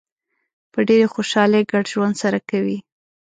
په ډېرې خوشحالۍ ګډ ژوند سره کوي.